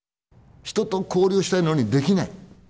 人と交流したいのにできない。